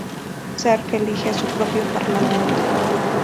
Sark elige a su propio parlamento.